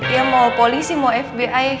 ya mau polisi mau fbi